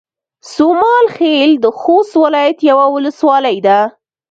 سومال خيل د خوست ولايت يوه ولسوالۍ ده